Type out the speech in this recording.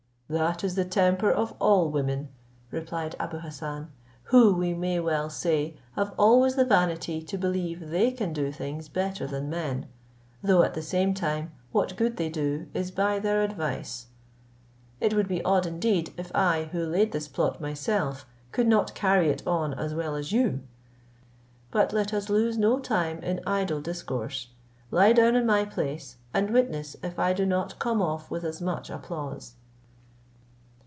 "That is the temper of all women," replied Abou Hassan, "who, we may well say, have always the vanity to believe they can do things better than men, though at the same time what good they do is by their advice. It would be odd indeed, if I, who laid this plot myself, could not carry it on as well as you. But let us lose no time in idle discourse; lie down in my place, and witness if I do not come off with as much applause."